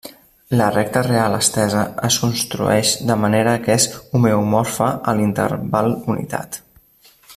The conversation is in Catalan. La recta real estesa es construeix de manera que és homeomorfa a l'interval unitat.